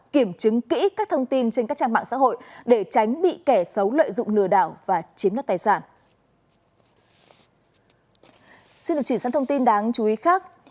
kiểm chứng kỹ các thông tin trên các trang mạng xã hội để tránh bị kẻ xấu lợi dụng lừa đảo và chiếm đoạt tài sản